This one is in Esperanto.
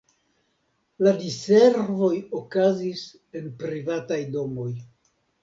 La diservoj okazis en privataj domoj.